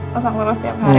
masak terus tiap hari